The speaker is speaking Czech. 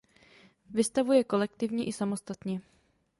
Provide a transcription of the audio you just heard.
Vystavuje kolektivně i samostatně.